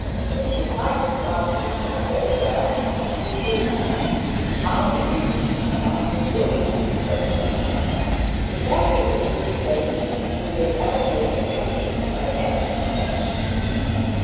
But you might start yourself very well, if you pleased.' 'How the deuce am I to do it?' said he. 'To tell you the truth, Bertie, you'll never make a penny by any profession.'